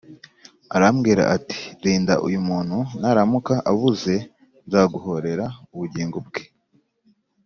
arambwira ati ‘Rinda uyu muntu naramuka abuze nzaguhorera ubugingo bwe